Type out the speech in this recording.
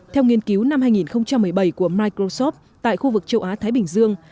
theo nghiên cứu năm hai nghìn một mươi bảy của microsoft tại khu vực châu á thái bình dương